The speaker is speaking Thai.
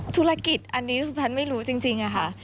ธุรกิจอันนี้คือแพทย์ไม่รู้จริงอะค่ะ